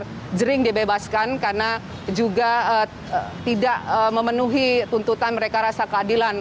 minta agar jering dibebaskan karena juga tidak memenuhi tuntutan mereka rasa keadilan